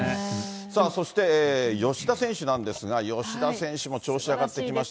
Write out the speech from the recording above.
さあそして、吉田選手なんですが、吉田選手も調子上がってきまして。